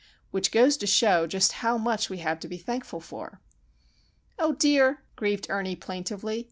Which goes to show just how much we have to be thankful for! "Oh dear!" grieved Ernie, plaintively.